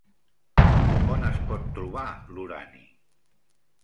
On es pot trobar l'urani?